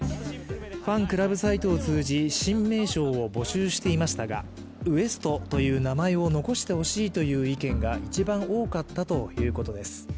ファンクラブサイトを通じ新名称を募集していましたがＷＥＳＴという名前を残してほしいという意見が一番多かったということです。